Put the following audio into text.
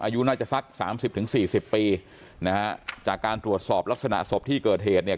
อายุน่าจะสัก๓๐๔๐ปีนะครับจากการตรวจสอบลักษณะศพที่เกิดเหตุเนี่ย